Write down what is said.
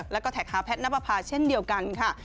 แล้วก็แท็กหาแพทย์นับประพาเช่นเดียวกันค่ะ